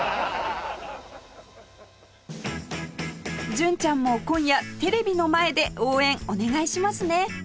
純ちゃんも今夜テレビの前で応援お願いしますね